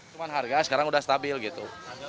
cuman harga sekarang sudah stabil gitu